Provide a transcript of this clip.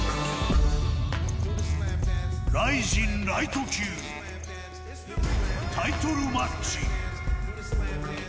ＲＩＺＩＮライト級タイトルマッチ。